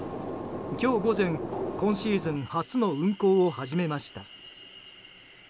今日午前、今シーズン初の運航を始めました。